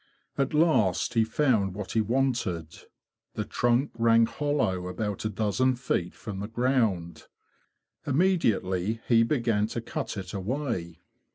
At last he found what he wanted, The trunk rang hollow about a dozen feet from the ground. Immediately he began to cut it away.